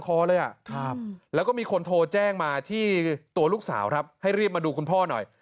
แล้วก็มีคนโทรแจ้งมาที่ตัวลูกสาวครับให้รีบมาดูคุณพ่อหน่อย